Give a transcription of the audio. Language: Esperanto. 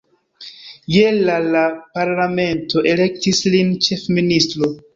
Je la la parlamento elektis lin ĉefministro.